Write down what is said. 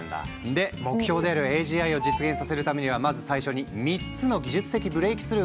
で目標であるＡＧＩを実現させるためにはまず最初に３つの技術的ブレイクスルーが必要だっていわれているの。